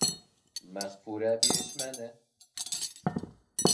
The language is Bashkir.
Мәғфүрә бирешмәне: